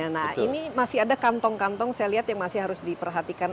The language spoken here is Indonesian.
nah ini masih ada kantong kantong saya lihat yang masih harus diperhatikan